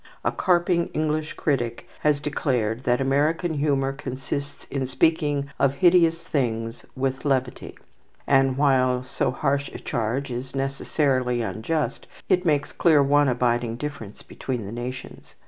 A carping English critic has declared that American humour consists in speaking of hideous things with levity; and while so harsh a charge is necessarily unjust, it makes clear one abiding difference between the nations.